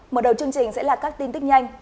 mở đầu chương trình sẽ là các tin tức nhanh